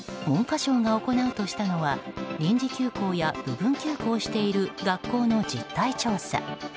文科省が行うとしたのは臨時休校や部分休校している学校の実態調査。